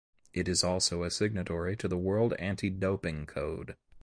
It is also a signatory to the World Anti-Doping Code.